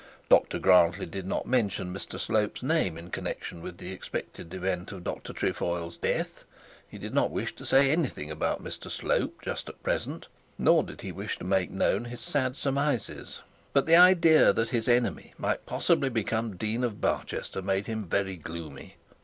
Dr Grantly did not mention Mr Slope's name in connexion with the expected event of Dr Trefoil's death; he did not wish to say anything about Mr Slope just at present, nor did he wish to make known his own sad surmises; but the idea that his enemy might possibly become Dean of Barchester made him very gloomy.